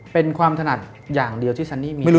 เป็นความถนัดอย่างเดียวที่ซันนี่มี